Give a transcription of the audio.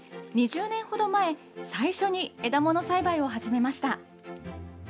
２０年ほど前、最初に枝物栽培を始めました。